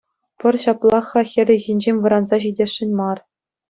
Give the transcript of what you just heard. Пӑр ҫаплах-ха хӗл ыйхинчен вӑранса ҫитесшӗн мар.